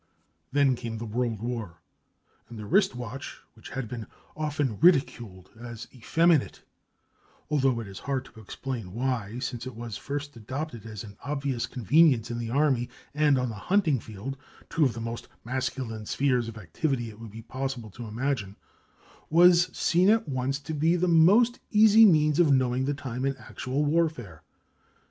Then came the World War, and the wrist watch which had been often ridiculed as effeminate (although it is hard to explain why, since it was first adopted as an obvious convenience in the Army and on the hunting field—two of the most masculine spheres of activity it would be possible to imagine) was seen at once to be the most easy means of knowing the time in actual warfare.